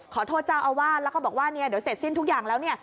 ขอโทษเจ้าอาวาสแล้วก็บอกว่าเนี่ยเดี๋ยวเสร็จสิ้นทุกอย่างแล้วเนี่ย